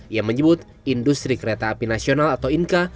ia menyebut industri kereta api nasional atau inka